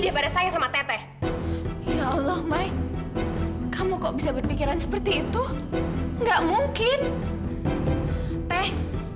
dia pada saya sama teteh ya allah mai kamu kok bisa berpikiran seperti itu enggak mungkin teh